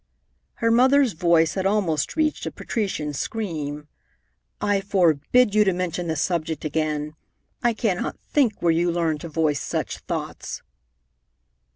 her mother's voice had almost reached a patrician scream "I forbid you to mention the subject again. I cannot think where you learned to voice such thoughts."